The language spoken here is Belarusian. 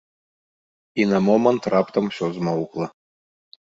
І на момант раптам усё змоўкла.